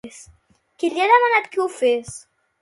Qui li ha demanat que ho fes?